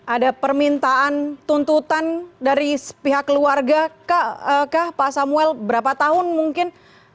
ada permintaan tuntutan dari pihak keluarga kak pak samuel berapa tahun mungkin